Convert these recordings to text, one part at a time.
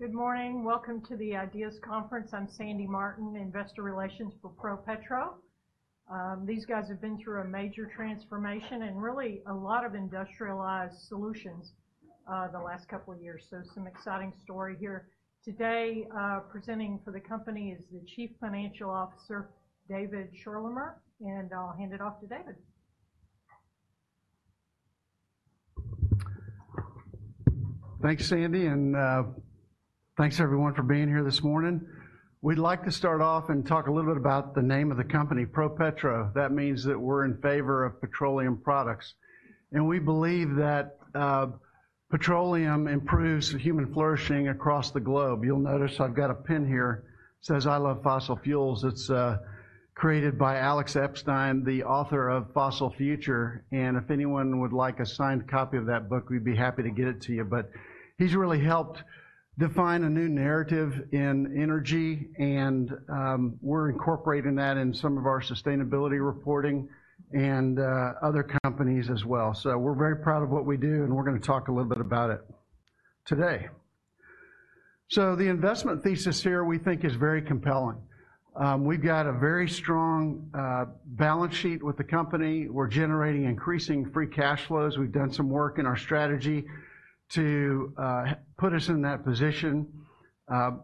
Good morning. Welcome to the Ideas Conference. I'm Sandy Martin, Investor Relations for ProPetro. These guys have been through a major transformation and really a lot of industrialized solutions, the last couple of years, so some exciting story here. Today, presenting for the company is the Chief Financial Officer, David Schorlemer, and I'll hand it off to David. Thanks, Sandy, and thanks everyone for being here this morning. We'd like to start off and talk a little bit about the name of the company, ProPetro. That means that we're in favor of petroleum products, and we believe that petroleum improves human flourishing across the globe. You'll notice I've got a pin here, says, "I love fossil fuels." It's created by Alex Epstein, the author of Fossil Future, and if anyone would like a signed copy of that book, we'd be happy to get it to you. But he's really helped define a new narrative in energy and we're incorporating that in some of our sustainability reporting and other companies as well. So we're very proud of what we do, and we're gonna talk a little bit about it today. So the investment thesis here, we think, is very compelling. We've got a very strong balance sheet with the company. We're generating increasing free cash flows. We've done some work in our strategy to put us in that position.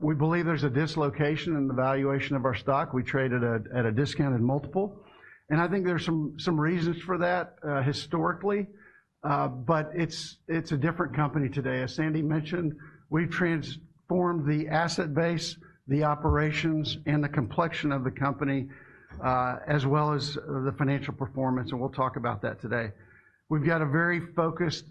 We believe there's a dislocation in the valuation of our stock. We trade at a discounted multiple, and I think there's some reasons for that historically. But it's a different company today. As Sandy mentioned, we've transformed the asset base, the operations, and the complexion of the company, as well as the financial performance, and we'll talk about that today. We've got a very focused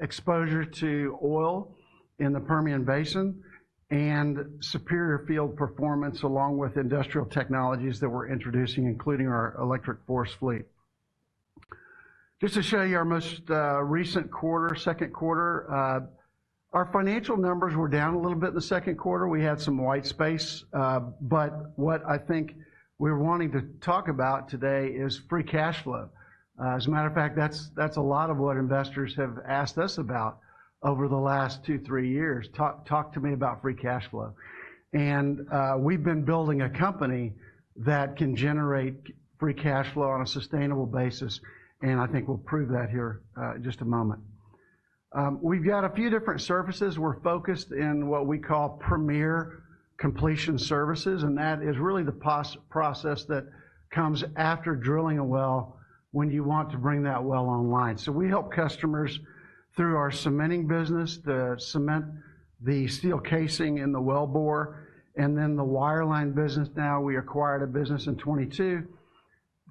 exposure to oil in the Permian Basin and superior field performance, along with industrial technologies that we're introducing, including our electric Force fleet. Just to show you our most recent quarter, second quarter, our financial numbers were down a little bit in the second quarter. We had some white space, but what I think we're wanting to talk about today is free cash flow. As a matter of fact, that's a lot of what investors have asked us about over the last two, three years. "Talk to me about free cash flow." And we've been building a company that can generate free cash flow on a sustainable basis, and I think we'll prove that here, in just a moment. We've got a few different services. We're focused in what we call premier completion services, and that is really the process that comes after drilling a well when you want to bring that well online. So we help customers through our cementing business, the cement, the steel casing, and the wellbore, and then the wireline business. Now, we acquired a business in 2022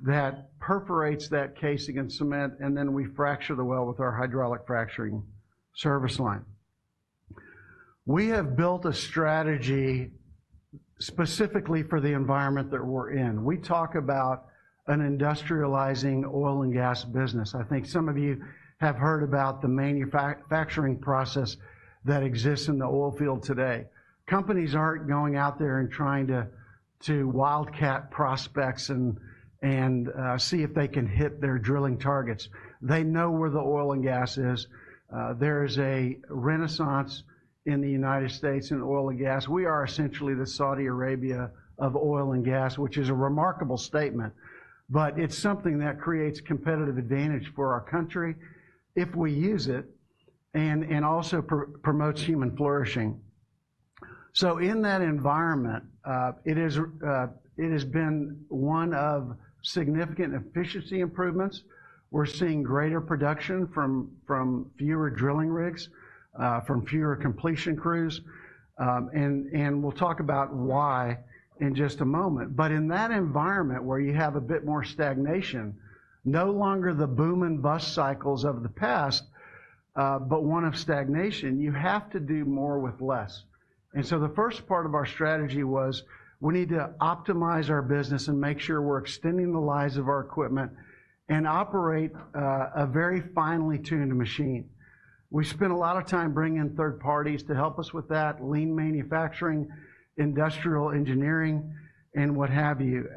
that perforates that casing and cement, and then we fracture the well with our hydraulic fracturing service line. We have built a strategy specifically for the environment that we're in. We talk about an industrializing oil and gas business. I think some of you have heard about the manufacturing process that exists in the oil field today. Companies aren't going out there and trying to wildcat prospects and see if they can hit their drilling targets. They know where the oil and gas is. There's a renaissance in the United States in oil and gas. We are essentially the Saudi Arabia of oil and gas, which is a remarkable statement, but it's something that creates competitive advantage for our country if we use it, and also promotes human flourishing. So in that environment, it has been one of significant efficiency improvements. We're seeing greater production from fewer drilling rigs, from fewer completion crews, and we'll talk about why in just a moment. But in that environment, where you have a bit more stagnation, no longer the boom and bust cycles of the past, but one of stagnation, you have to do more with less. And so the first part of our strategy was, we need to optimize our business and make sure we're extending the lives of our equipment and operate a very finely tuned machine. We spent a lot of time bringing in third parties to help us with that: lean manufacturing, industrial engineering, and what have you.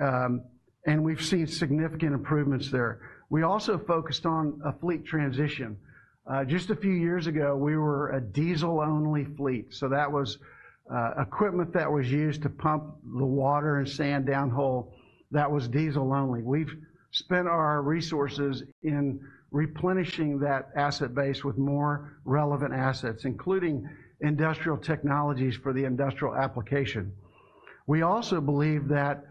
And we've seen significant improvements there. We also focused on a fleet transition. Just a few years ago, we were a diesel-only fleet, so that was equipment that was used to pump the water and sand downhole. That was diesel only. We've spent our resources in replenishing that asset base with more relevant assets, including industrial technologies for the industrial application. We also believe that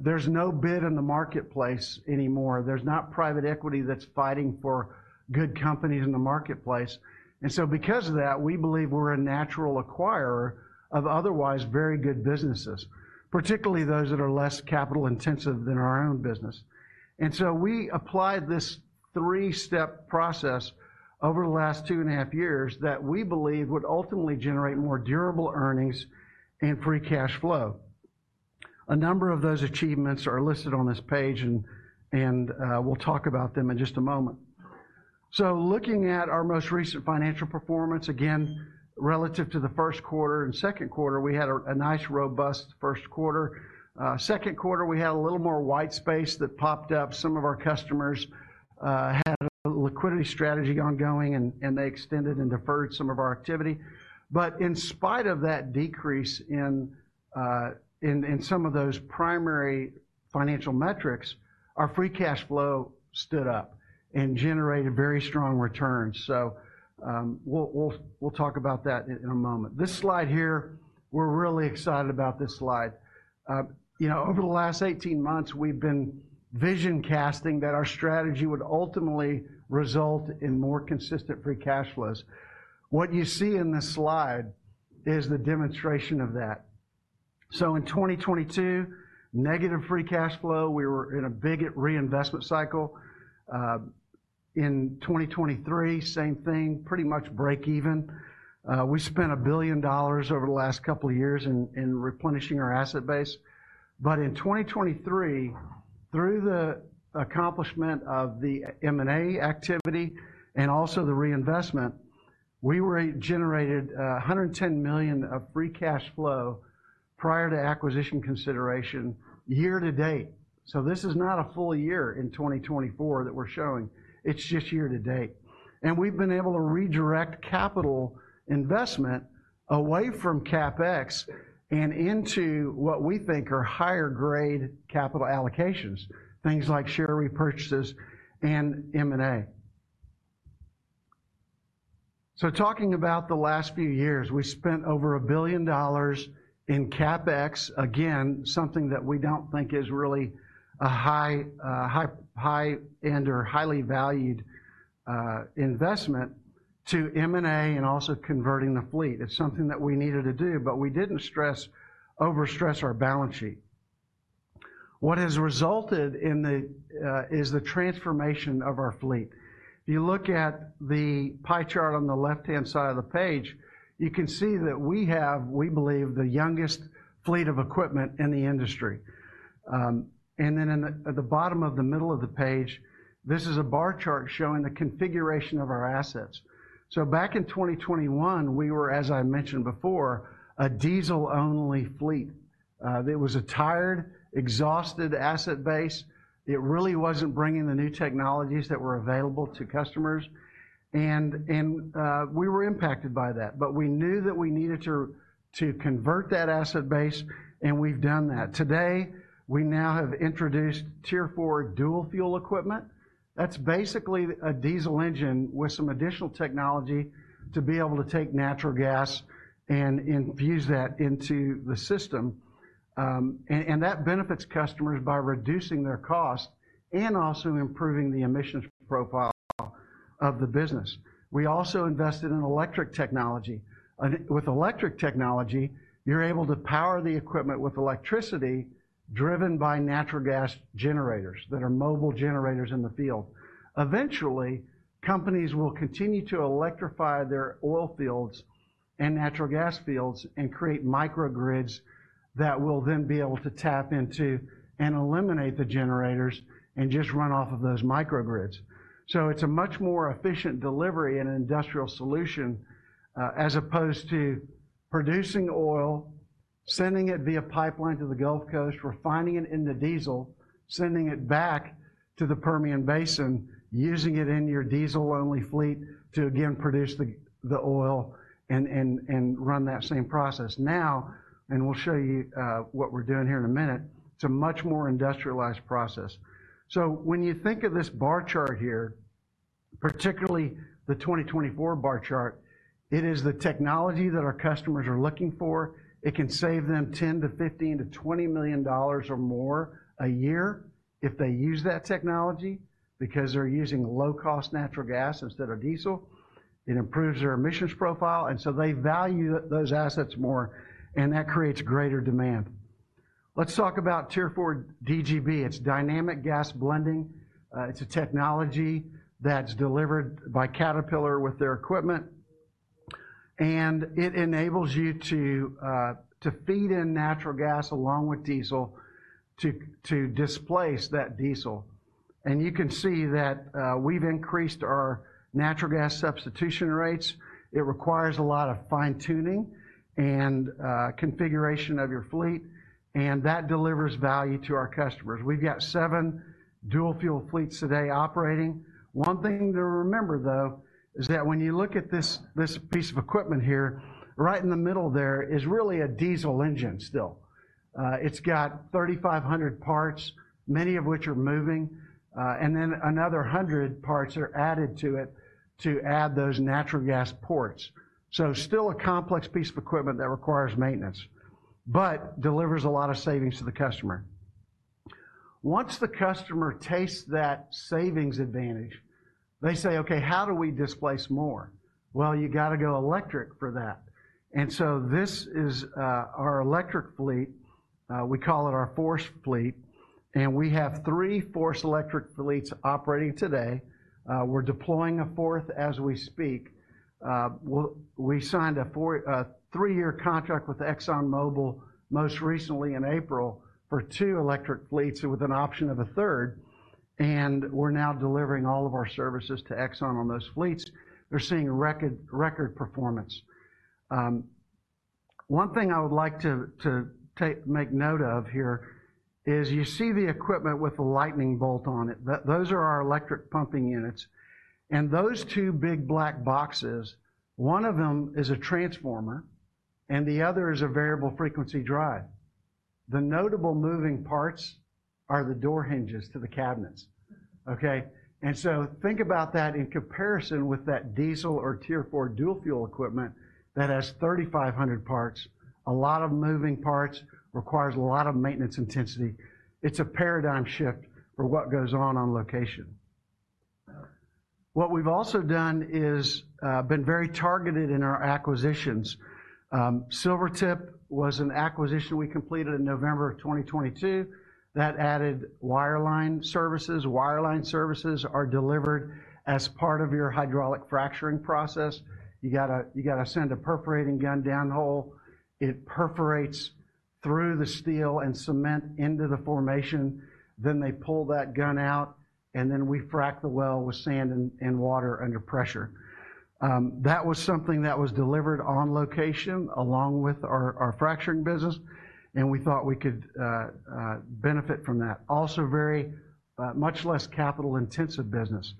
there's no bid in the marketplace anymore. There's not private equity that's fighting for good companies in the marketplace. And so because of that, we believe we're a natural acquirer of otherwise very good businesses, particularly those that are less capital-intensive than our own business. And so we applied this three-step process over the last two and a half years that we believe would ultimately generate more durable earnings and free cash flow. A number of those achievements are listed on this page, and we'll talk about them in just a moment. So looking at our most recent financial performance, again, relative to the first quarter and second quarter, we had a nice, robust first quarter. Second quarter, we had a little more white space that popped up. Some of our customers had a liquidity strategy ongoing, and they extended and deferred some of our activity. But in spite of that decrease in some of those primary financial metrics, our free cash flow stood up and generated very strong returns. So, we'll talk about that in a moment. This slide here, we're really excited about this slide. You know, over the last eighteen months, we've been vision casting that our strategy would ultimately result in more consistent free cash flows. What you see in this slide is the demonstration of that. So in 2022, negative free cash flow, we were in a big reinvestment cycle. In 2023, same thing, pretty much break even. We spent $1 billion over the last couple of years in replenishing our asset base. But in 2023, through the accomplishment of the M&A activity and also the reinvestment, we generated $110 million of free cash flow prior to acquisition consideration year to date. So this is not a full year in 2024 that we're showing. It's just year to date. We've been able to redirect capital investment away from CapEx and into what we think are higher-grade capital allocations, things like share repurchases and M&A. Talking about the last few years, we spent over $1 billion in CapEx. Again, something that we don't think is really a high-end or highly valued investment to M&A and also converting the fleet. It's something that we needed to do, but we didn't overstress our balance sheet. What has resulted is the transformation of our fleet. If you look at the pie chart on the left-hand side of the page, you can see that we have, we believe, the youngest fleet of equipment in the industry. And then, at the bottom of the middle of the page, this is a bar chart showing the configuration of our assets. Back in 2021, we were, as I mentioned before, a diesel-only fleet. It was a tired, exhausted asset base. It really wasn't bringing the new technologies that were available to customers, and we were impacted by that. But we knew that we needed to convert that asset base, and we've done that. Today, we now have introduced Tier 4 dual-fuel equipment. That's basically a diesel engine with some additional technology to be able to take natural gas and fuse that into the system. That benefits customers by reducing their costs and also improving the emissions profile of the business. We also invested in electric technology. With electric technology, you're able to power the equipment with electricity driven by natural gas generators that are mobile generators in the field. Eventually, companies will continue to electrify their oil fields and natural gas fields and create microgrids that will then be able to tap into and eliminate the generators and just run off of those microgrids. So it's a much more efficient delivery and industrial solution as opposed to producing oil, sending it via pipeline to the Gulf Coast, refining it into diesel, sending it back to the Permian Basin, using it in your diesel-only fleet to again produce the oil and run that same process. Now, and we'll show you what we're doing here in a minute, it's a much more industrialized process. So when you think of this bar chart here, particularly the 2024 bar chart, it is the technology that our customers are looking for. It can save them $10 million-$15 million-$20 million or more a year if they use that technology, because they're using low-cost natural gas instead of diesel. It improves their emissions profile, and so they value those assets more, and that creates greater demand. Let's talk about Tier 4 DGB. It's Dynamic Gas Blending. It's a technology that's delivered by Caterpillar with their equipment, and it enables you to feed in natural gas along with diesel to displace that diesel. You can see that we've increased our natural gas substitution rates. It requires a lot of fine-tuning and configuration of your fleet, and that delivers value to our customers. We've got seven dual-fuel fleets today operating. One thing to remember, though, is that when you look at this, this piece of equipment here, right in the middle there is really a diesel engine still. It's got 3,500 parts, many of which are moving, and then another 100 parts are added to it to add those natural gas ports. So still a complex piece of equipment that requires maintenance but delivers a lot of savings to the customer. Once the customer tastes that savings advantage, they say, "Okay, how do we displace more?" Well, you gotta go electric for that. And so this is our electric fleet. We call it our Force fleet, and we have three Force electric fleets operating today. We're deploying a fourth as we speak. We signed a three-year contract with ExxonMobil, most recently in April, for two electric fleets with an option of a third, and we're now delivering all of our services to Exxon on those fleets. They're seeing record performance. One thing I would like to make note of here is you see the equipment with the lightning bolt on it. Those are our electric pumping units, and those two big black boxes, one of them is a transformer and the other is a variable frequency drive. The notable moving parts are the door hinges to the cabinets, okay? And so think about that in comparison with that diesel or Tier 4 dual fuel equipment that has thirty-five hundred parts, a lot of moving parts, requires a lot of maintenance intensity. It's a paradigm shift for what goes on location. What we've also done is been very targeted in our acquisitions. Silvertip was an acquisition we completed in November of twenty twenty-two that added wireline services. Wireline services are delivered as part of your hydraulic fracturing process. You gotta send a perforating gun down the hole. It perforates through the steel and cement into the formation. Then they pull that gun out, and then we frack the well with sand and water under pressure. That was something that was delivered on location, along with our fracturing business, and we thought we could benefit from that. Also very much less capital-intensive business.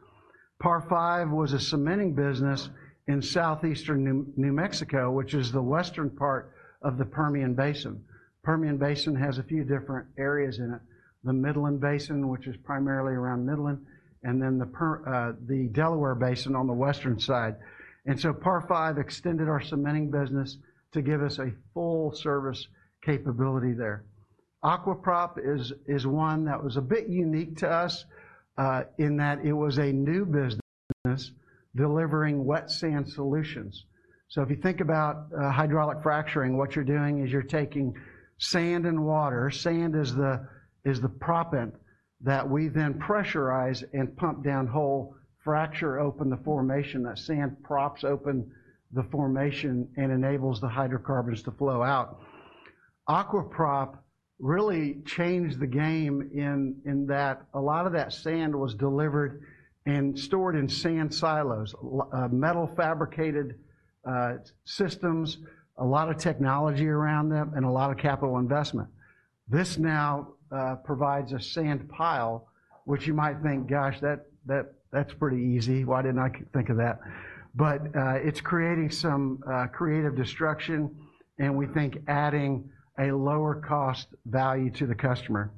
Par Five was a cementing business in southeastern New Mexico, which is the western part of the Permian Basin. Permian Basin has a few different areas in it. The Midland Basin, which is primarily around Midland, and then the Permian, the Delaware Basin on the western side, and so Par Five extended our cementing business to give us a full service capability there. Aqua Prop is one that was a bit unique to us in that it was a new business delivering wet sand solutions, so if you think about hydraulic fracturing, what you're doing is you're taking sand and water. Sand is the proppant that we then pressurize and pump down hole, fracture open the formation. That sand props open the formation and enables the hydrocarbons to flow out. Aqua Prop really changed the game in that a lot of that sand was delivered and stored in sand silos, metal fabricated systems, a lot of technology around them, and a lot of capital investment. This now provides a sand pile, which you might think, "Gosh, that's pretty easy. Why didn't I think of that?" But it's creating some creative destruction, and we think adding a lower cost value to the customer.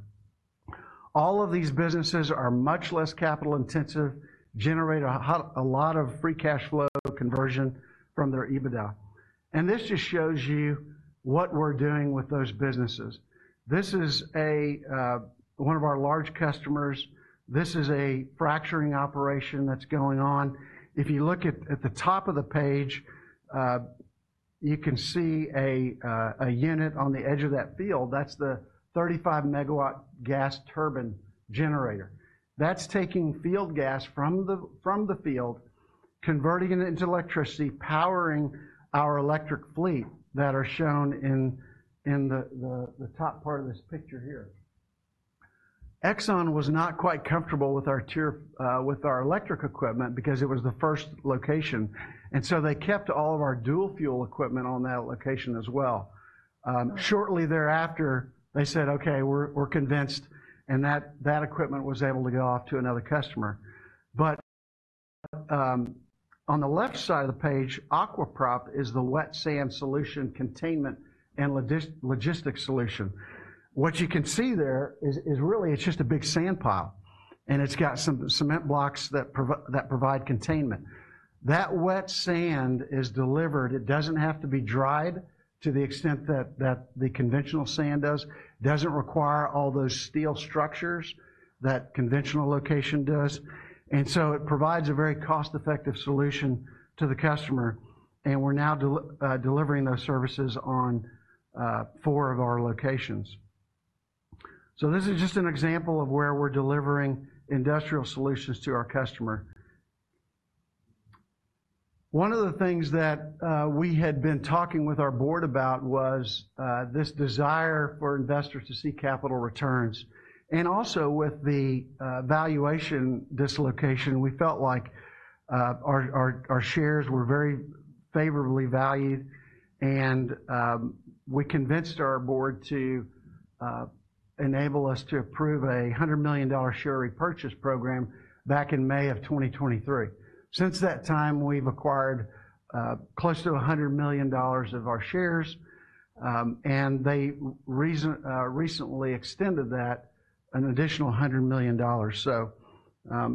All of these businesses are much less capital intensive, generate a lot of free cash flow conversion from their EBITDA. This just shows you what we're doing with those businesses. This is one of our large customers. This is a fracturing operation that's going on. If you look at the top of the page, you can see a unit on the edge of that field. That's the 35 megawatt gas turbine generator. That's taking field gas from the field, converting it into electricity, powering our electric fleet that are shown in the top part of this picture here. Exxon was not quite comfortable with our tier with our electric equipment because it was the first location, and so they kept all of our dual fuel equipment on that location as well. Shortly thereafter, they said, "Okay, we're convinced," and that equipment was able to go off to another customer. But on the left side of the page, Aqua Prop is the wet sand solution, containment, and logistics solution. What you can see there is really it's just a big sand pile, and it's got some cement blocks that provide containment. That wet sand is delivered. It doesn't have to be dried to the extent that the conventional sand does. It doesn't require all those steel structures that conventional location does, and so it provides a very cost-effective solution to the customer, and we're now delivering those services on four of our locations. So this is just an example of where we're delivering industrial solutions to our customer. One of the things that we had been talking with our board about was this desire for investors to see capital returns. And also, with the valuation dislocation, we felt like our shares were very favorably valued, and we convinced our board to enable us to approve a $100 million share repurchase program back in May of 2023. Since that time, we've acquired close to $100 million of our shares, and we recently extended that an additional $100 million. So,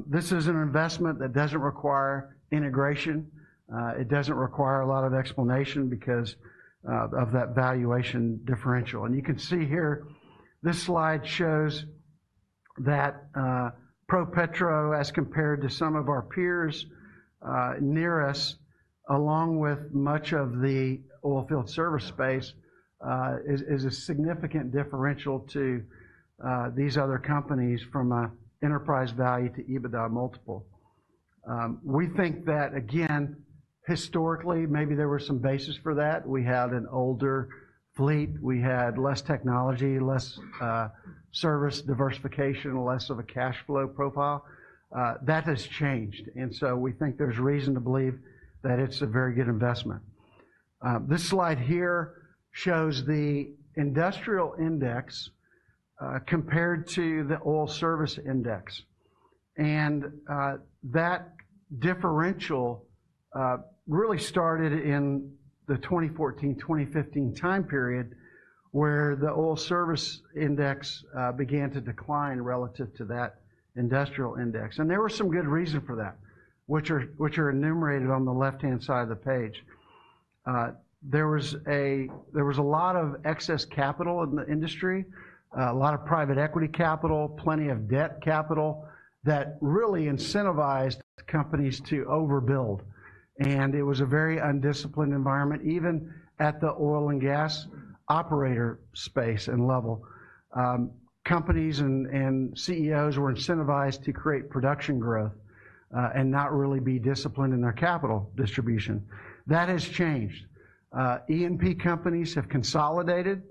this is an investment that doesn't require integration. It doesn't require a lot of explanation because of that valuation differential, and you can see here, this slide shows that ProPetro, as compared to some of our peers near us, along with much of the oil field service space, is a significant differential to these other companies from an enterprise value to EBITDA multiple. We think that, again, historically, maybe there was some basis for that. We had an older fleet. We had less technology, less service diversification, less of a cash flow profile. That has changed, and so we think there's reason to believe that it's a very good investment. This slide here shows the industrial index compared to the oil service index, and that differential really started in the 2014, 2015 time period, where the oil service index began to decline relative to that industrial index. There were some good reason for that, which are enumerated on the left-hand side of the page. There was a lot of excess capital in the industry, a lot of private equity capital, plenty of debt capital, that really incentivized companies to overbuild, and it was a very undisciplined environment, even at the oil and gas operator space and level. Companies and CEOs were incentivized to create production growth and not really be disciplined in their capital distribution. That has changed. E&P companies have consolidated.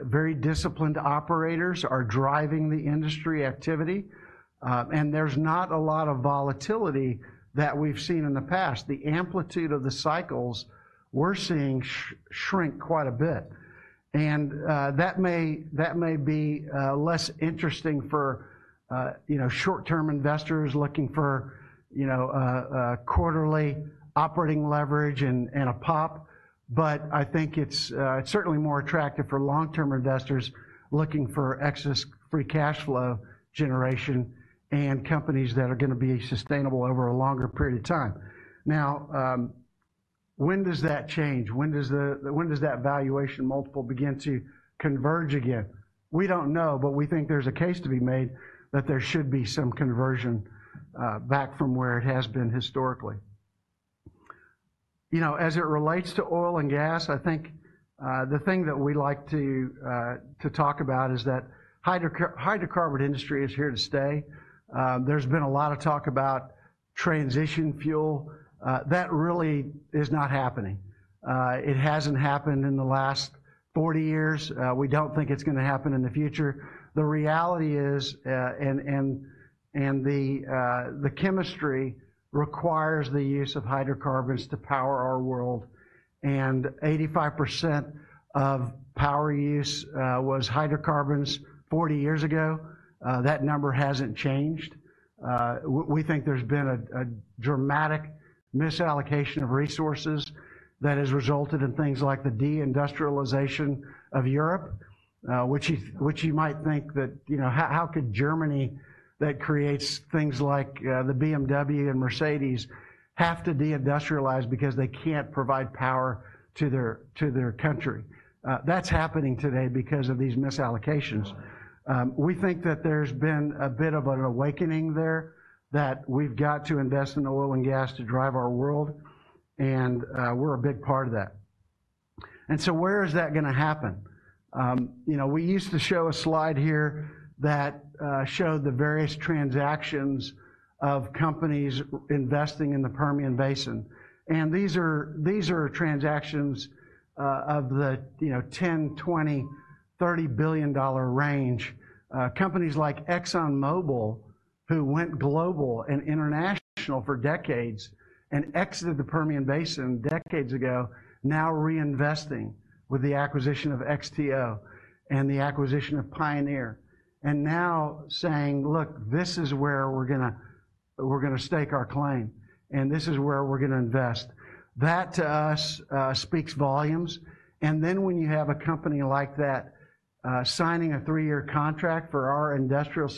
Very disciplined operators are driving the industry activity, and there's not a lot of volatility that we've seen in the past. The amplitude of the cycles we're seeing shrink quite a bit, and that may be less interesting for you know, short-term investors looking for you know, a quarterly operating leverage and a pop. But I think it's certainly more attractive for long-term investors looking for excess free cash flow generation and companies that are gonna be sustainable over a longer period of time. Now, when does that change? When does that valuation multiple begin to converge again? We don't know, but we think there's a case to be made that there should be some convergence back from where it has been historically. You know, as it relates to oil and gas, I think, the thing that we like to talk about is that hydrocarbon industry is here to stay. There's been a lot of talk about transition fuel. That really is not happening. It hasn't happened in the last 40 years. We don't think it's gonna happen in the future. The reality is, the chemistry requires the use of hydrocarbons to power our world, and 85% of power use was hydrocarbons 40 years ago. That number hasn't changed. We think there's been a dramatic misallocation of resources that has resulted in things like the de-industrialization of Europe, which you might think that, you know, how could Germany, that creates things like the BMW and Mercedes, have to de-industrialize because they can't provide power to their country? That's happening today because of these misallocations. We think that there's been a bit of an awakening there, that we've got to invest in oil and gas to drive our world, and we're a big part of that. So where is that gonna happen? You know, we used to show a slide here that showed the various transactions of companies investing in the Permian Basin, and these are transactions of the $10, $20, $30 billion range. Companies like ExxonMobil, who went global and international for decades and exited the Permian Basin decades ago, now reinvesting with the acquisition of XTO and the acquisition of Pioneer, and now saying, "Look, this is where we're gonna stake our claim, and this is where we're gonna invest." That, to us, speaks volumes. And then, when you have a company like that, signing a three-year contract for our industrial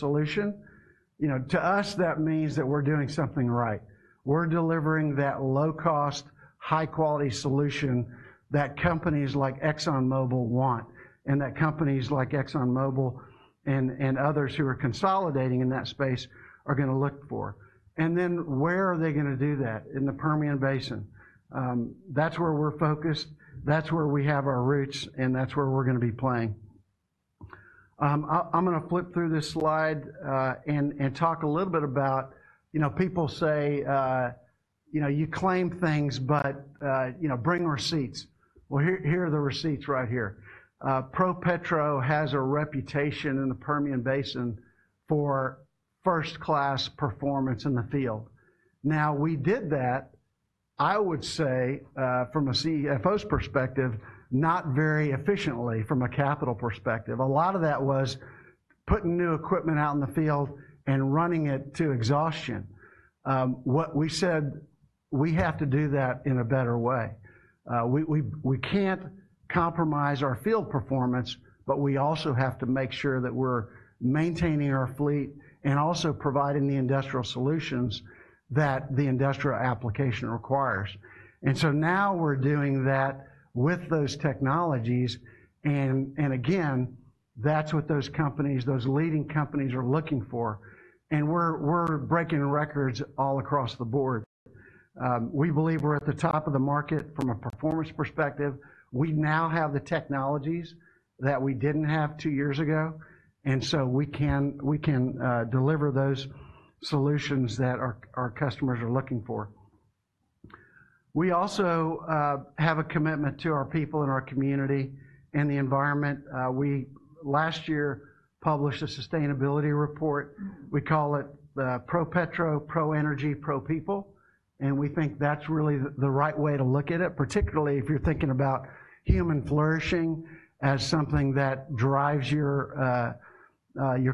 solution, you know, to us, that means that we're doing something right. We're delivering that low-cost, high-quality solution that companies like ExxonMobil want, and that companies like ExxonMobil and others who are consolidating in that space are gonna look for. And then, where are they gonna do that? In the Permian Basin. That's where we're focused, that's where we have our roots, and that's where we're gonna be playing. I'm gonna flip through this slide and talk a little bit about—You know, people say, "You know, you claim things, but, you know, bring receipts." Well, here are the receipts right here. ProPetro has a reputation in the Permian Basin for first-class performance in the field. Now, we did that, I would say, from a CFO's perspective, not very efficiently from a capital perspective. A lot of that was putting new equipment out in the field and running it to exhaustion. What we said, we have to do that in a better way. We can't compromise our field performance, but we also have to make sure that we're maintaining our fleet and also providing the industrial solutions that the industrial application requires. So now we're doing that with those technologies, and again, that's what those companies, those leading companies, are looking for, and we're breaking records all across the board. We believe we're at the top of the market from a performance perspective. We now have the technologies that we didn't have two years ago, and so we can deliver those solutions that our customers are looking for. We also have a commitment to our people and our community and the environment. We, last year, published a sustainability report. We call it the ProPetro Pro Energy ProPeople, and we think that's really the right way to look at it, particularly if you're thinking about human flourishing as something that drives your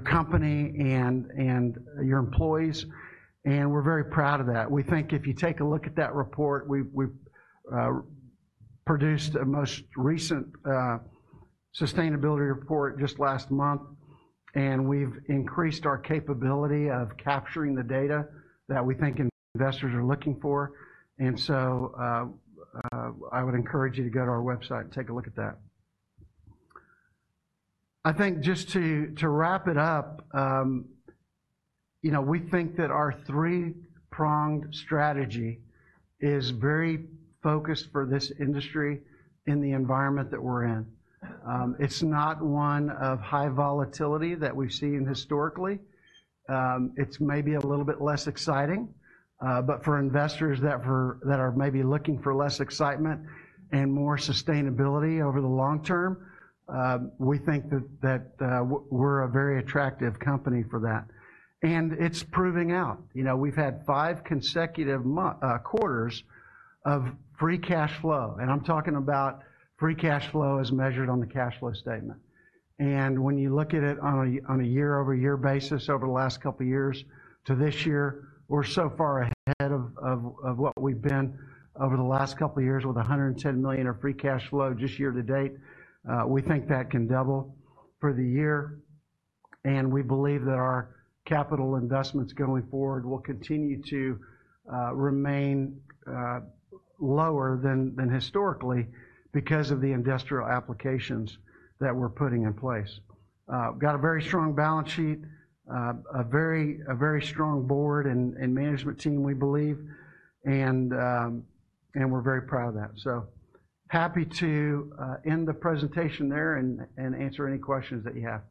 company and your employees, and we're very proud of that. We think if you take a look at that report, we've produced a most recent sustainability report just last month, and we've increased our capability of capturing the data that we think investors are looking for, and so I would encourage you to go to our website and take a look at that. I think just to wrap it up, you know, we think that our three-pronged strategy is very focused for this industry in the environment that we're in. It's not one of high volatility that we've seen historically. It's maybe a little bit less exciting, but for investors that were... that are maybe looking for less excitement and more sustainability over the long term, we think that we're a very attractive company for that, and it's proving out. You know, we've had five consecutive quarters of free cash flow, and I'm talking about free cash flow as measured on the cash flow statement. When you look at it on a year-over-year basis over the last couple of years to this year, we're so far ahead of what we've been over the last couple of years with $110 million of free cash flow just year to date. We think that can double for the year, and we believe that our capital investments going forward will continue to remain lower than historically because of the industrial applications that we're putting in place. We've got a very strong balance sheet, a very strong board and management team, we believe, and we're very proud of that. So happy to end the presentation there and answer any questions that you have.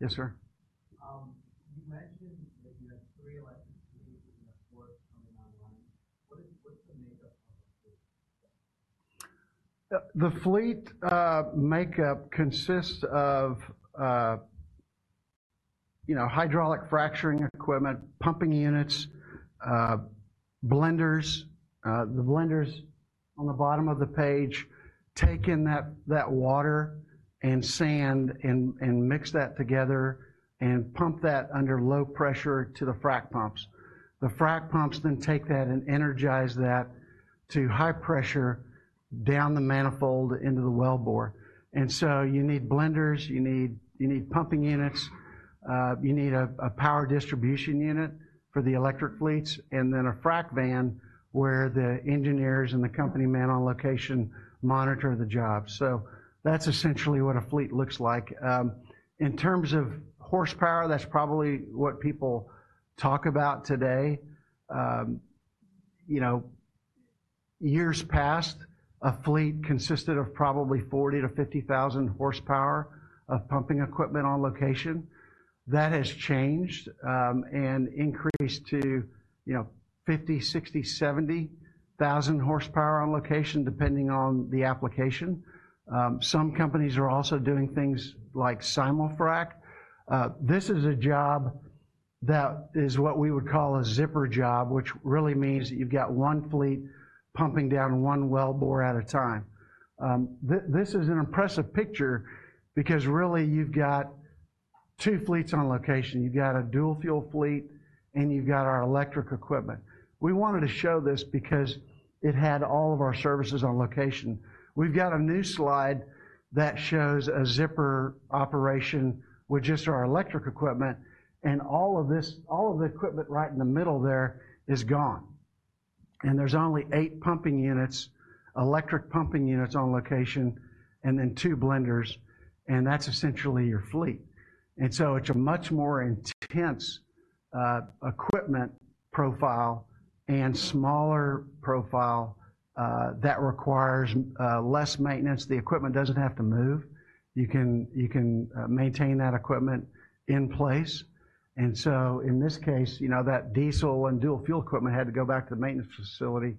Yes, sir? You mentioned that you had three electric fleets and a fourth coming online. What's the makeup of the fleet? The fleet makeup consists of, you know, hydraulic fracturing equipment, pumping units, blenders. The blenders on the bottom of the page take in that water and sand and mix that together and pump that under low pressure to the frack pumps. The frack pumps then take that and energize that to high pressure down the manifold into the wellbore, and so you need blenders, you need pumping units, you need a power distribution unit for the electric fleets, and then a frack van, where the engineers and the company man on location monitor the job. That's essentially what a fleet looks like. In terms of horsepower, that's probably what people talk about today. You know, years past, a fleet consisted of probably 40-50 thousand horsepower of pumping equipment on location. That has changed and increased to, you know, 50,000, 60,000, 70,000 horsepower on location, depending on the application. Some companies are also doing things like Simulfrac. This is a job that is what we would call a zipper job, which really means that you've got one fleet pumping down one wellbore at a time. This is an impressive picture because really you've got two fleets on location. You've got a dual fuel fleet, and you've got our electric equipment. We wanted to show this because it had all of our services on location. We've got a new slide that shows a zipper operation with just our electric equipment, and all of this, all of the equipment right in the middle there is gone, and there's only eight pumping units, electric pumping units on location and then two blenders, and that's essentially your fleet. And so it's a much more intense, equipment profile and smaller profile, that requires, less maintenance. The equipment doesn't have to move. You can maintain that equipment in place, and so in this case, you know, that diesel and dual fuel equipment had to go back to the maintenance facility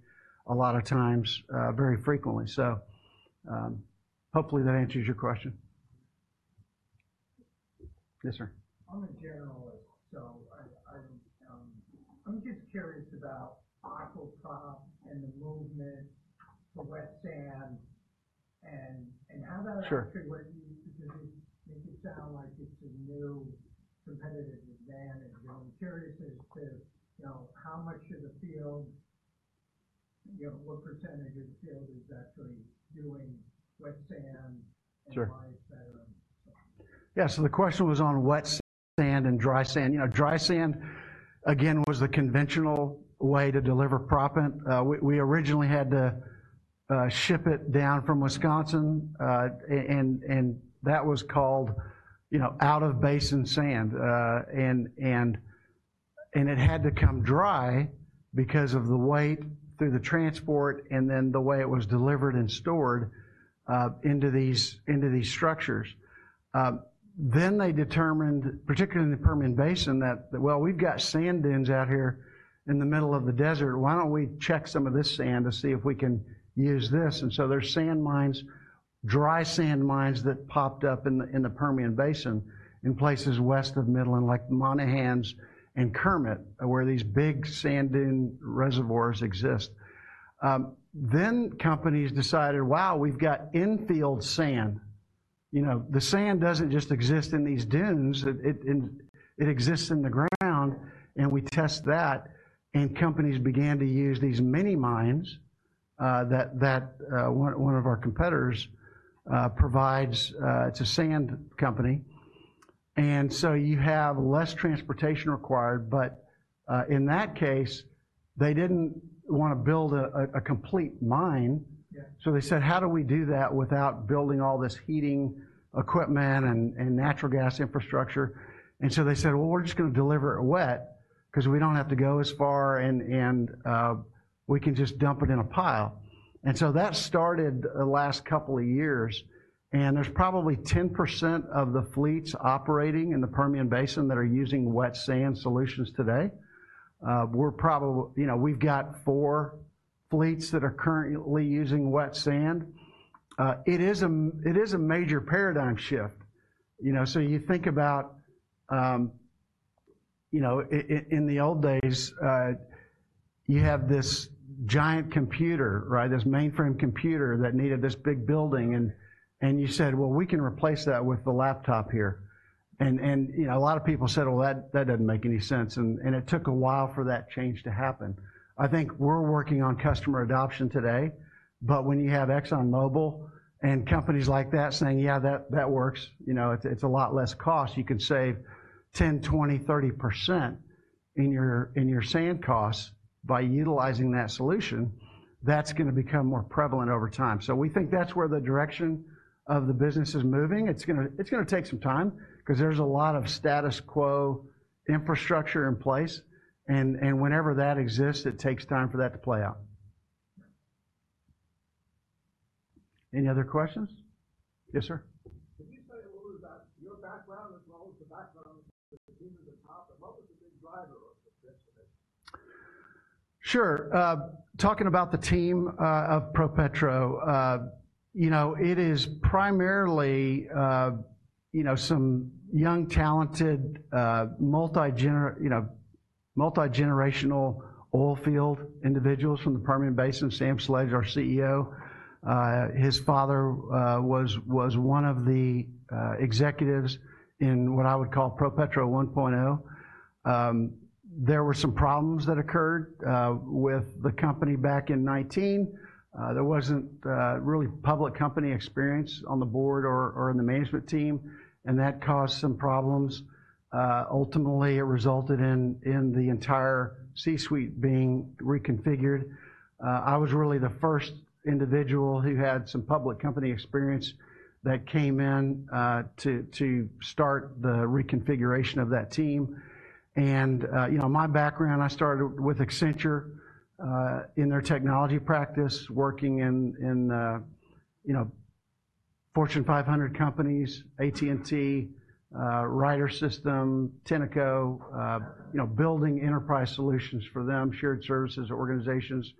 a lot of times, very frequently. So, hopefully, that answers your question. Yes, sir. I'm a journalist, so I, I'm just curious about Aqua Prop and the movement to wet sand and how about- Sure. Actually, what you 'cause it make it sound like it's a new competitive advantage. I'm curious as to, you know, how much of the field, you know, what percentage of the field is actually doing wet sand? Sure and why it's better? Yeah. So the question was on wet sand and dry sand. You know, dry sand, again, was the conventional way to deliver proppant. We originally had to ship it down from Wisconsin. And that was called, you know, out-of-basin sand. And it had to come dry because of the weight through the transport, and then the way it was delivered and stored into these structures. Then they determined, particularly in the Permian Basin, that, well, we've got sand dunes out here in the middle of the desert. Why don't we check some of this sand to see if we can use this? And so there's sand mines, dry sand mines that popped up in the Permian Basin in places west of Midland, like Monahans and Kermit, where these big sand dune reservoirs exist. Then companies decided, "Wow, we've got infield sand." You know, the sand doesn't just exist in these dunes. It and it exists in the ground, and we test that, and companies began to use these mini mines that one of our competitors provides. It's a sand company, and so you have less transportation required. But in that case, they didn't wanna build a complete mine. Yeah. So they said: How do we do that without building all this heating equipment and natural gas infrastructure? And so they said, "Well, we're just gonna deliver it wet 'cause we don't have to go as far, and we can just dump it in a pile." And so that started the last couple of years, and there's probably 10% of the fleets operating in the Permian Basin that are using wet sand solutions today. We're probably, you know, we've got four fleets that are currently using wet sand. It is a major paradigm shift. You know, so you think about, you know, in the old days, you have this giant computer, right? This mainframe computer that needed this big building, and you said, "Well, we can replace that with the laptop here." You know, a lot of people said, "Well, that doesn't make any sense," and it took a while for that change to happen. I think we're working on customer adoption today, but when you have ExxonMobil and companies like that saying, "Yeah, that works," you know, it's a lot less cost. You could save 10, 20, 30% in your sand costs by utilizing that solution. That's gonna become more prevalent over time, so we think that's where the direction of the business is moving. It's gonna take some time 'cause there's a lot of status quo infrastructure in place, and whenever that exists, it takes time for that to play out. Any other questions? Yes, sir. Can you say a little bit about your background, as well as the background of the team at the top, and what was the big driver of the success of it? Sure. Talking about the team of ProPetro, you know, it is primarily, you know, some young, talented, multi-generational oil field individuals from the Permian Basin. Sam Sledge, our CEO, his father was one of the executives in what I would call ProPetro 1.0. There were some problems that occurred with the company back in nineteen. There wasn't really public company experience on the board or in the management team, and that caused some problems. Ultimately it resulted in the entire C-suite being reconfigured. I was really the first individual who had some public company experience that came in to start the reconfiguration of that team. You know, my background, I started with Accenture in their technology practice, working in you know, Fortune 500 companies, AT&T, Ryder System, Tenneco, you know, building enterprise solutions for them, shared services organizations.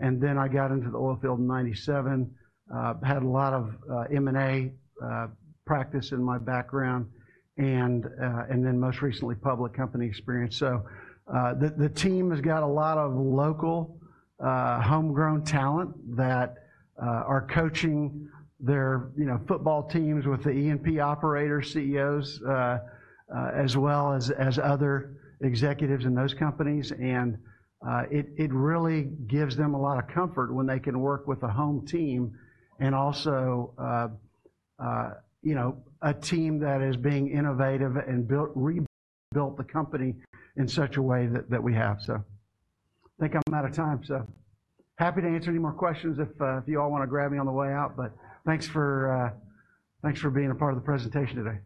Then I got into the oil field in 1997. I had a lot of M&A practice in my background and then most recently, public company experience. The team has got a lot of local homegrown talent that are coaching their, you know, football teams with the E&P operators, CEOs, as well as other executives in those companies. It really gives them a lot of comfort when they can work with a home team and also, you know, a team that is being innovative and rebuilt the company in such a way that we have. I think I'm out of time, happy to answer any more questions if you all wanna grab me on the way out, but thanks for being a part of the presentation today.